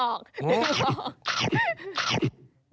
ไม่มองหนูออก